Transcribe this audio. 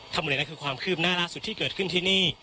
หมดเลยนั่นคือความคืบหน้าล่าสุดที่เกิดขึ้นที่นี่